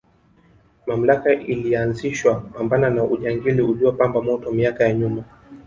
mamlaka ilianzishwa kupambana na ujangili uliopamba moto miaka ya nyuma